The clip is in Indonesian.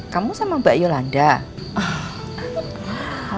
kamu sama mbak yolanda